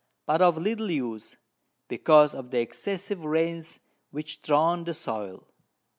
but of little Use, because of the excessive Rains which drown the Soil.